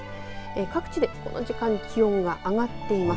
各地でこの時間気温が上がっています。